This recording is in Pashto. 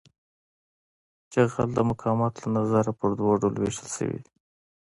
جغل د مقاومت له نظره په دوه ډلو ویشل شوی دی